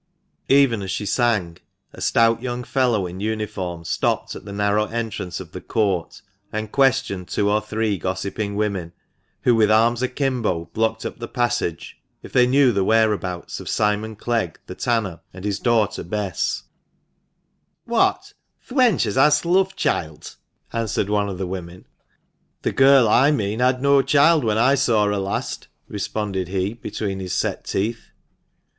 Even as she sang, a stout young fellow in uniform stopped at the narrow entrance of the court, and questioned two or three gossiping women, who, with arms akimbo, blocked up the passage, if they knew the whereabouts of Simon Clegg, the tanner, and his daughter Bess, THE MANCHESTER MAN. 35 " What ! th' wench as has the love choilt ?" answered one of the women. "The girl I mean had no child when I saw her last," responded he, between his set teeth.